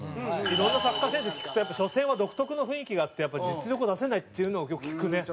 いろんなサッカー選手に聞くと初戦は独特の雰囲気があって実力を出せないっていうのをよく聞くね。